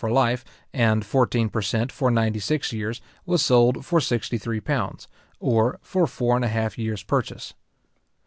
for life, and fourteen per cent. for ninety six years, was sold for sixty three pounds, or for four and a half years purchase.